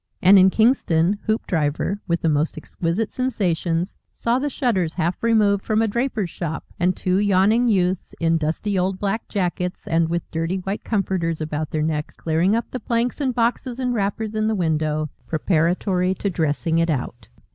And in Kingston Hoopdriver, with the most exquisite sensations, saw the shutters half removed from a draper's shop, and two yawning youths, in dusty old black jackets and with dirty white comforters about their necks, clearing up the planks and boxes and wrappers in the window, preparatory to dressing it out.